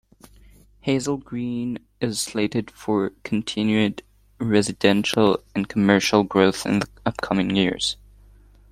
Hazel Green is slated for continued residential and commercial growth in the upcoming years.